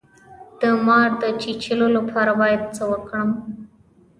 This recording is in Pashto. د مار د چیچلو لپاره باید څه وکړم؟